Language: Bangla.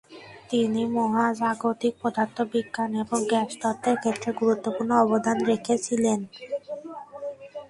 তিনি মহাজাগতিক পদার্থবিজ্ঞান এবং গ্যাস তত্ত্বের ক্ষেত্রে গুরুত্বপূর্ণ অবদান রেখেছিলেন।